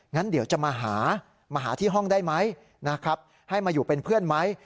งั้นเดี๋ยวจะมาหามาหาที่ห้องได้ไหมนะครับให้มาอยู่เป็นเพื่อนไหม